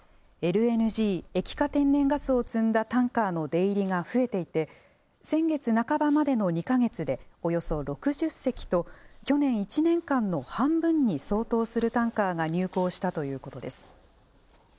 ＬＮＧ・液化天然ガスを積んだタンカーの出入りが増えていて先月半ばまでの２か月でおよそ６０隻と去年１年間の半分に相当するタンカーが入港したということです。